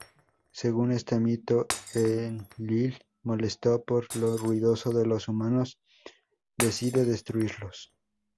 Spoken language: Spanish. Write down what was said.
Según este mito Enlil, molesto por lo ruidoso de los humanos decide destruirlos.